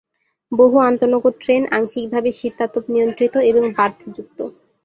বহু আন্তঃনগর ট্রেন আংশিকভাবে শীতাতপ নিয়ন্ত্রিত এবং বার্থ যুক্ত।